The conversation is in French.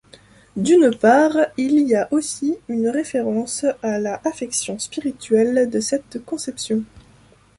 D’une part il y aussi une référence à la affection spirituelle de cette conception.